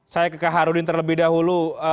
saya ke kak harudin terlebih dahulu